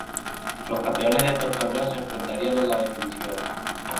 Los campeones de estos torneos se enfrentarían en la definición.